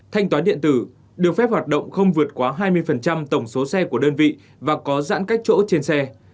thanh toán điện tử được phép hoạt động không vượt quá hai mươi tổng số xe của đơn vị và có giãn cách chỗ trên xe